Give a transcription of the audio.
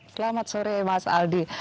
selamat sore mas aldi